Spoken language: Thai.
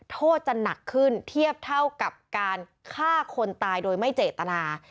โทษจะหนักขึ้นเทียบเท่ากับการฆ่าคนตายโดยไม่เจตนา